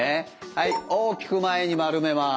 はい大きく前に丸めます。